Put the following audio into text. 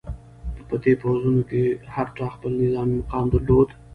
په دې پوځونو کې هر چا خپل نظامي مقام درلود.